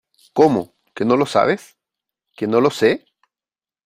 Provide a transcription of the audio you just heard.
¿ Cómo , que no lo sabes ? Que no lo sé .